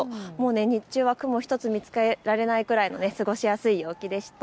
日中は雲一つ見つけられないくらいの過ごしやすい陽気でした。